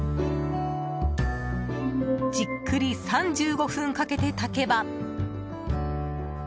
じっくり、３５分かけて炊けば。